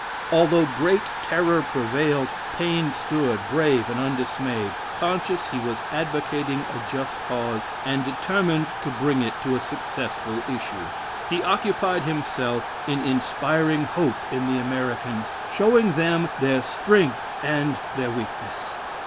Although great terror prevailed, Paine stood brave and undismayed, conscious he was advocating a just cause, and determined to bring it to a successful issue. He occupied himself in inspiring hope in the Americans, showing them their strength and their weakness.